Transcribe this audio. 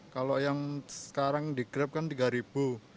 kalau yang sekarang di grab kan rp tiga